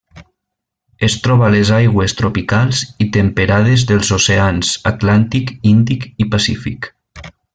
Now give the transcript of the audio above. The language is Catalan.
Es troba a les aigües tropicals i temperades dels oceans Atlàntic, Índic i Pacífic.